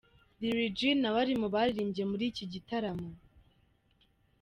Lil-G nawe ari mu baririmbye muri iki gitaramo.